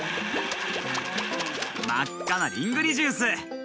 まっかなリングリジュース。